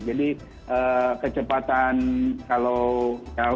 jadi kecepatan kalau